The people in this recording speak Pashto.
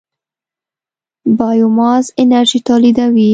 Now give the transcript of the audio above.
بایوماس انرژي تولیدوي.